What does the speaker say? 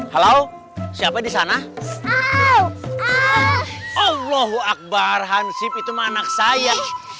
halo siapa di sana allahu akbar hansib itu anak saya